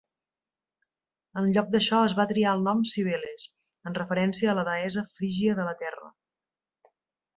En lloc d'això es va triar el nom Cibeles, en referència a la deessa frígia de la terra.